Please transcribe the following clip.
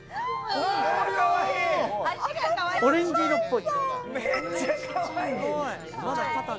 オレンジ色っぽい。